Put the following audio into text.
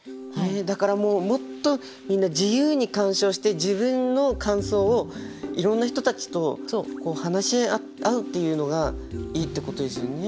だからもっとみんな自由に鑑賞して自分の感想をいろんな人たちと話し合うっていうのがいいってことですよね。